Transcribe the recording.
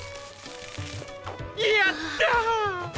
やったー！